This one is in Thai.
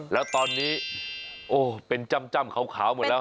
แล้วตอนนี้โอ้เป็นจ้ำขาวหมดแล้ว